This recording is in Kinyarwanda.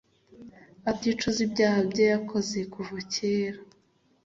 aticuze ibyaha bye yakoze kuva kera